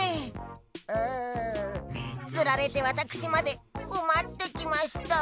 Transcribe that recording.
うんつられてわたくしまでこまってきました。